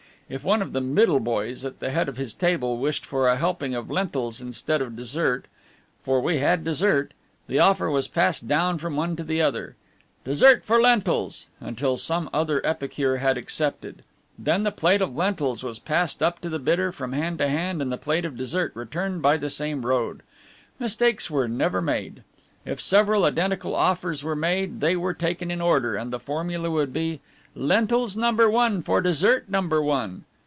If one of the "middle" boys at the head of his table wished for a helping of lentils instead of dessert for we had dessert the offer was passed down from one to another: "Dessert for lentils!" till some other epicure had accepted; then the plate of lentils was passed up to the bidder from hand to hand, and the plate of dessert returned by the same road. Mistakes were never made. If several identical offers were made, they were taken in order, and the formula would be, "Lentils number one for dessert number one."